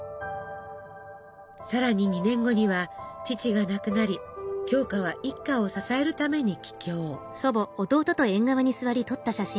さらに２年後には父が亡くなり鏡花は一家を支えるために帰郷。